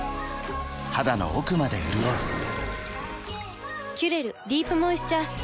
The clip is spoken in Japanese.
肌の奥まで潤う「キュレルディープモイスチャースプレー」